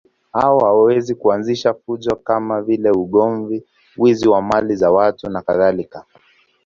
Hao huweza kuanzisha fujo kama vile ugomvi, wizi wa mali za watu nakadhalika.